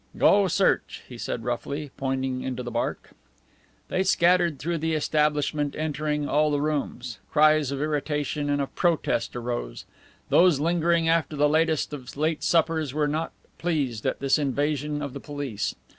"Go. Search," he said roughly, pointing into the Barque. They scattered through the establishment, entering all the rooms. Cries of irritation and of protest arose. Those lingering after the latest of late suppers were not pleased at this invasion of the police.